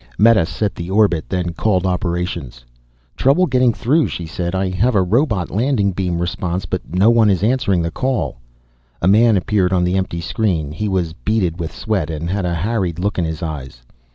Meta set the orbit, then called operations. "Trouble getting through," she said. "I have a robot landing beam response, but no one is answering the call." A man appeared on the empty screen. He was beaded with sweat and had a harried look in his eyes.